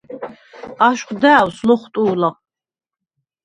აშხვ და̄̈ვს ლოხვტუ̄ლა: